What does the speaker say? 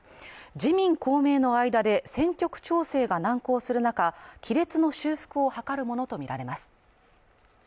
自民・公明の間で、選挙区調整が難航する中、亀裂の修復を図るものとみられます。